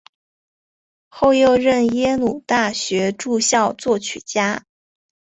后又任耶鲁大学驻校作曲家。